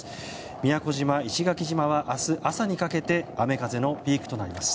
宮古島、石垣島は明日朝にかけて雨風のピークとなります。